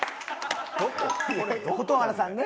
蛍原さんね。